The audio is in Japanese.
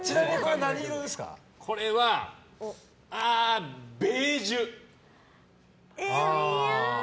これはベージュ。